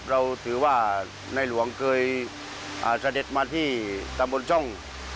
เราถือว่าในหลวงเคยเสด็จมาที่ตำบลช่อง